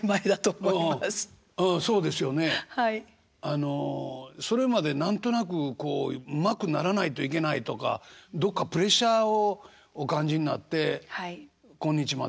あのそれまで何となくこううまくならないといけないとかどっかプレッシャーをお感じになって今日まで来られてると思うんですね。